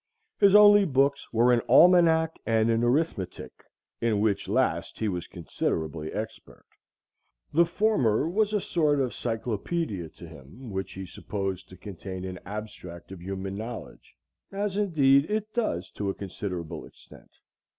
His only books were an almanac and an arithmetic, in which last he was considerably expert. The former was a sort of cyclopædia to him, which he supposed to contain an abstract of human knowledge, as indeed it does to a considerable extent.